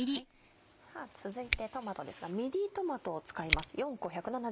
続いてトマトですがミディトマトを使います。